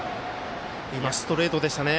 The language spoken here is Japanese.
今、ストレートでしたね。